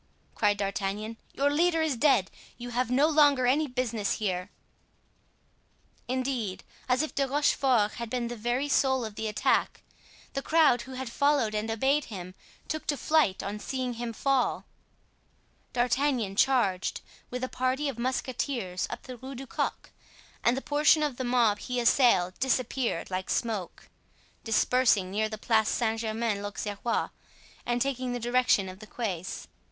cried D'Artagnan, "your leader is dead; you have no longer any business here." Indeed, as if De Rochefort had been the very soul of the attack, the crowd who had followed and obeyed him took to flight on seeing him fall. D'Artagnan charged, with a party of musketeers, up the Rue du Coq, and the portion of the mob he assailed disappeared like smoke, dispersing near the Place Saint Germain l'Auxerrois and taking the direction of the quays.